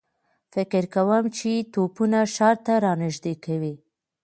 فکر کوم چې توپونه ښار ته را نږدې کوي.